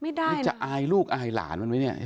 หรือจะอายลูกอายหลานมันไหมเนี่ย